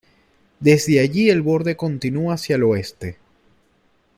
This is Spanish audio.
Desde allí el borde continúa hacia el oeste.